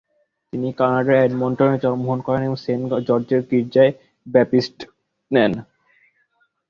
তিনি কানাডার এডমন্টনে জন্মগ্রহণ করেন এবং সেন্ট জর্জের গির্জায় বাপ্তিস্ম নেন।